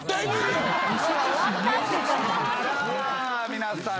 皆さん。